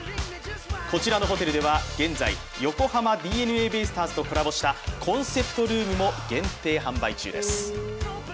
こちらのホテルでは現在、横浜ＤｅＮＡベイスターズとコラボしたコンセプトルームも限定販売中です。